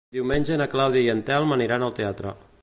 Diumenge na Clàudia i en Telm aniran al teatre.